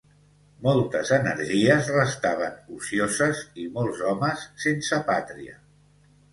moltes energies restaven ocioses i molts homes sense pàtria